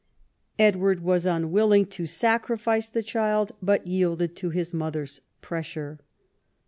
Edward was unwilling to sacrifice the child, but yielded to his mother's pressure.